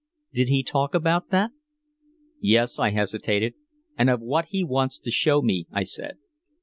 "Did he talk about that?" "Yes" I hesitated "and of what he wants to show me," I said.